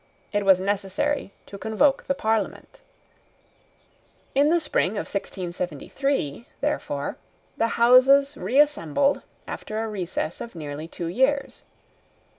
It was necessary to convoke the Parliament. In the spring of 1673, therefore, the Houses reassembled after a recess of near two years.